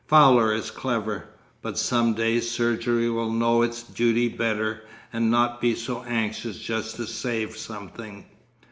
Fowler is clever—but some day surgery will know its duty better and not be so anxious just to save something